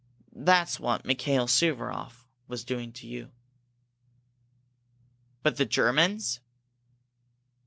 That's what Mikail Suvaroff was doing to you." "But the Germans?"